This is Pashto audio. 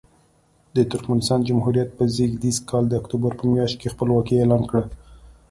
د ترکمنستان جمهوریت په زېږدیز کال د اکتوبر په میاشت کې خپلواکي اعلان کړه.